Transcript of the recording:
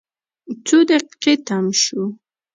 څو دقیقې تم شوو.